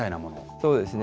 そうですね。